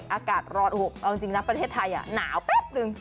อากาศร้อนอบเอาจริงนะประเทศไทยหนาวแป๊บนึง